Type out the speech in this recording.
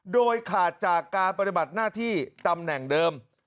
โดยขาดจากการปฏิบัติหน้าที่ตำแหน่งเดิม